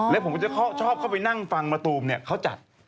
แล้วผมก็จะชอบเข้าไปนั่งฟังมะตูมเนี่ยเขาจัด